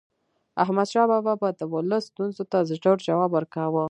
احمد شاه بابا به د ولس ستونزو ته ژر جواب ورکاوه.